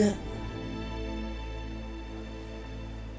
bisa bisa bu yartek curiga